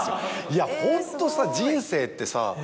いやホントさ人生ってさ